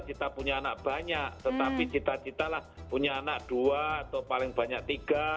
kita punya anak banyak tetapi cita cita lah punya anak dua atau paling banyak tiga